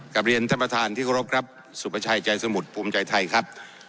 กลับเรียนท่านประธานที่เคารพครับสุประชัยใจสมุทรภูมิใจไทยครับ